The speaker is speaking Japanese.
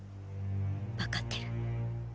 わかってる。